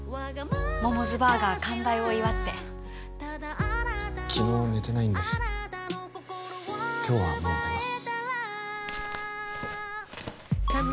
モモズバーガー完売を祝って昨日寝てないんで今日はもう寝ます